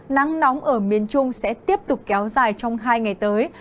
nắng nóng ở miền trung sẽ tiếp tục kéo dài trong hai ngày tới